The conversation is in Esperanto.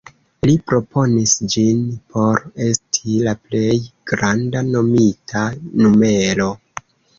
Li proponis ĝin por esti la plej granda nomita numero.